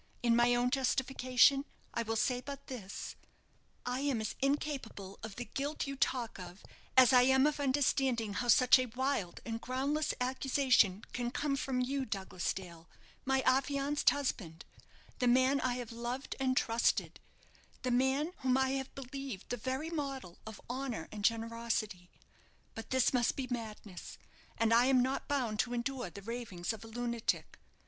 In my own justification, I will say but this I am as incapable of the guilt you talk of as I am of understanding how such a wild and groundless accusation can come from you, Douglas Dale, my affianced husband the man I have loved and trusted, the man whom I have believed the very model of honour and generosity. But this must be madness, and I am not bound to endure the ravings of a lunatic.